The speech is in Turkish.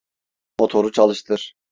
Motoru çalıştır.